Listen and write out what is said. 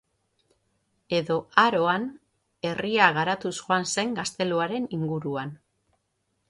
Edo Aroan herria garatuz joan zen gazteluaren inguruan.